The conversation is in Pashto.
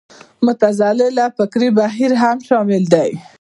معتزله فکري بهیر هم شامل دی